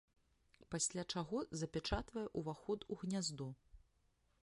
Пасля чаго запячатвае уваход у гняздо.